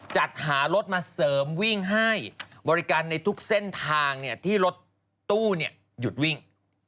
จัดหารถมาเสริมวิ่งให้บริการในทุกเส้นทางที่รถตู้หยุดวิ่ง